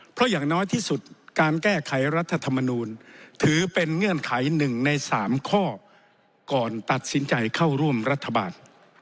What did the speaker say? เพราะอย่างน้อยที่สุดการแก้ไขรัฐธรรมนูลถือเป็นเงื่อนไข๑ใน๓ข้อก่อนตัดสินใจเข้าร่วมรัฐบาล